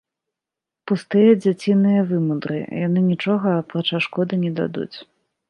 Пустыя дзяціныя вымудры, якія нічога, апрача шкоды, не дадуць.